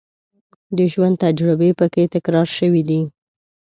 د ژوند تجربې په کې تکرار شوې دي.